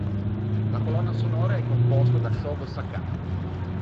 La colonna sonora è composta da Shogo Sakai.